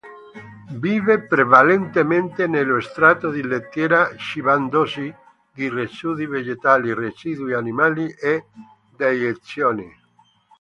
Vive prevalentemente nello strato di lettiera cibandosi di residui vegetali, residui animali e deiezioni.